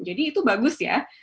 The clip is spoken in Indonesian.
jadi itu bagus ya